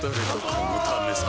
このためさ